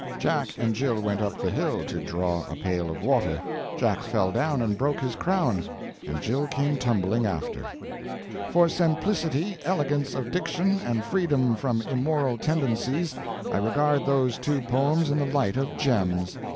"Jack and Gill went up the hill To draw a pail of water; Jack fell down and broke his crown, And Gill came tumbling after." 'For simplicity, elegance of diction, and freedom from immoral tendencies, I regard those two poems in the light of gems.